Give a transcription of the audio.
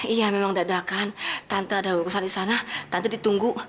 iya memang dadakan tante ada urusan di sana tante ditunggu